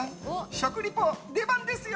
食リポ出番ですよ。